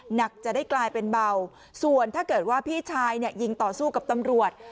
หนักจะได้กลายเป็นเบาส่วนถ้าเกิดว่าพี่ชายเนี่ยยิงต่อสู้กับตำรวจ